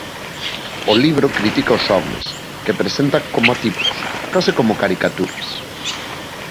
O libro critica os homes, que presenta como tipos, case como caricaturas.